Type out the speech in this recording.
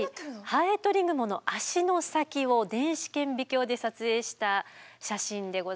ハエトリグモの脚の先を電子顕微鏡で撮影した写真でございます。